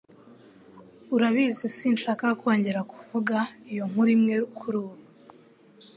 Urabizi sinshaka kongera kuvuga iyo nkuru imwe kurubu